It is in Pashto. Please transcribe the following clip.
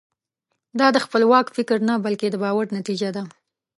دا د خپلواک فکر نه بلکې د باور نتیجه ده.